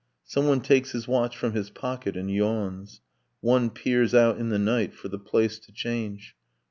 Someone takes his watch from his pocket and yawns. One peers out in the night for the place to change.